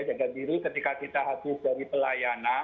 jaga biru ketika kita habis dari pelayanan